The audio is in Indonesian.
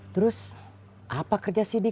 terus apa kerja si dik dik